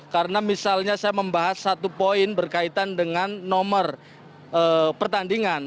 karena misalnya saya membahas satu poin berkaitan dengan nomor pertandingan